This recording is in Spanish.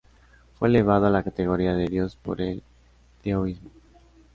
Fue elevado a la categoría de dios por el taoísmo.